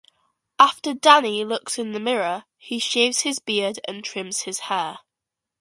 After Danny looks in the mirror, he shaves his beard and trims his hair.